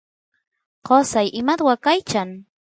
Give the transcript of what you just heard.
qosay imat waqaychan